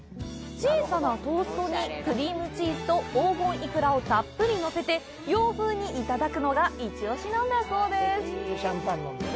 小さなトーストに、クリームチーズと黄金イクラをたっぷりのせて洋風にいただくのがイチオシなんだそうです。